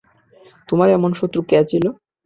তোমার এমন শত্রু কে ছিল!